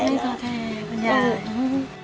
ไม่ท้อแท้คุณยาย